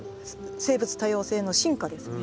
生物多様性の進化ですね。